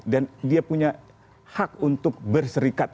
dan dia punya hak untuk berserikat